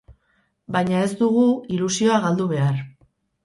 Baina ez dugu ilusioa galdu behar.